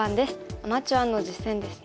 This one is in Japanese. アマチュアの実戦ですね。